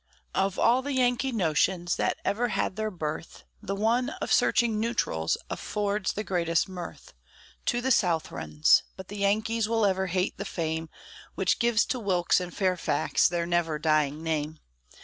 Of all the "Yankee notions" that ever had their birth, The one of searching neutrals affords the greatest mirth To the Southrons; but the Yankees will ever hate the fame Which gives to Wilkes and Fairfax their never dying name.